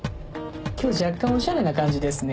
今日若干おしゃれな感じですね。